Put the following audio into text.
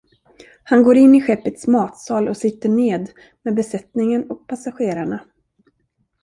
Han går in i skeppets matsal och sitter ned med besättningen och passagerarna.